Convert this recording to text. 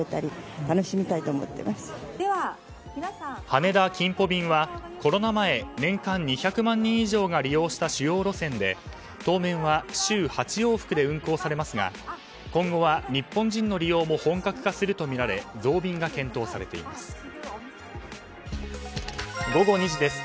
羽田キンポ便はコロナ前年間２００万人以上が利用した主要路線で当面は週８往復で運航されますが今後は日本人の利用も本格化するとみられ増便が検討されています。